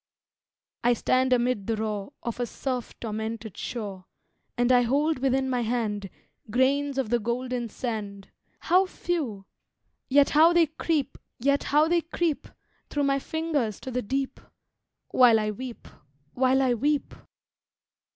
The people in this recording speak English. I stand amid the roar Of a surf tormented shore, And I hold within my hand Grains of the golden sand How few! yet how they creep Through my fingers to the deep, While I weep while I weep!